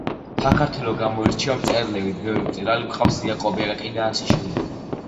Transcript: საქართველო გამოირჩევა მწერლებით ბევრი მწერალი გვყავს იაკობი აკაკი და აშშ